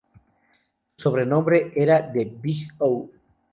Su sobrenombre era "The Big O".